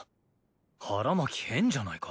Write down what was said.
腹巻き変じゃないか？